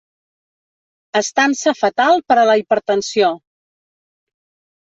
Estança fatal per a la hipertensió.